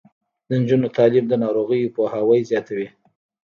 د نجونو تعلیم د ناروغیو پوهاوی زیاتوي.